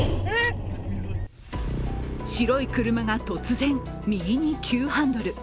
白い車が突然、右に急ハンドル。